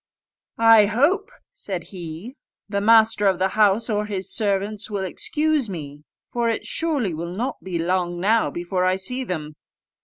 "I hope," said he, "the master of the house or his servants will excuse me, for it surely will not be long now before I see them."